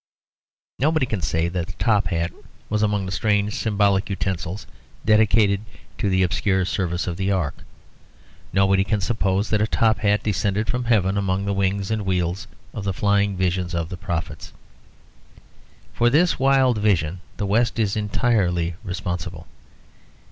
Nobody can say that a top hat was among the strange symbolic utensils dedicated to the obscure service of the Ark; nobody can suppose that a top hat descended from heaven among the wings and wheels of the flying visions of the Prophets. For this wild vision the West is entirely responsible.